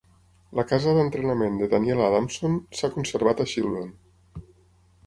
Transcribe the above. La casa d'Entrenament de Daniel Adamson s'ha conservat a Shildon